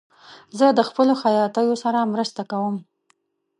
زه د خپلو خیاطیو سره مرسته کوم.